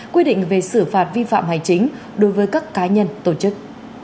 quy định về xử phạt vi phạm hành chính đối với các cá nhân tổ chức